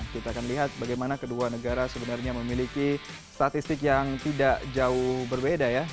kita akan lihat bagaimana kedua negara sebenarnya memiliki statistik yang tidak jauh berbeda ya